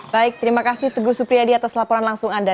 baik terima kasih teguh supriyadi atas laporan langsung anda